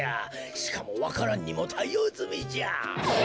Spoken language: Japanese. しかもわか蘭にもたいおうずみじゃ。え！？